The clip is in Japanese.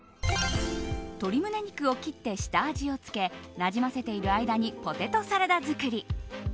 鶏胸肉を切って下味をつけなじませている間にポテトサラダ作り。